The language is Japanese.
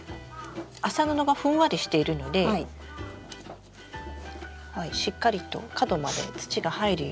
麻布がふんわりしているのでしっかりと角まで土が入るように。